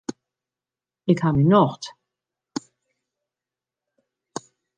Ik ha myn nocht.